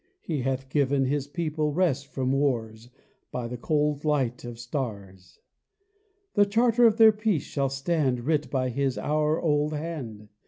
He hath given His people rest from wars, By the cold light of stars. The charter of their peace shall stand Writ by His hour old hand.